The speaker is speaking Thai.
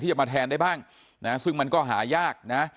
จะมาแทนได้บ้างนะซึ่งมันก็หายากนะ